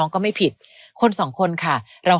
การใช้ชีวิตคู่ไม่มีใครสมบูรณ์แบบนะแม้แต่เรา